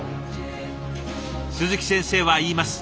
鈴木先生は言います。